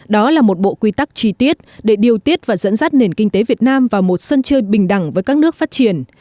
đó là một bộ quy tắc chi tiết để điều tiết và dẫn dắt nền kinh tế việt nam vào một sân chơi bình đẳng với các nước phát triển